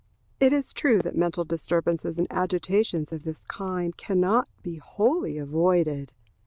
It is true that mental disturbances and agitations of this kind can not be wholly avoided.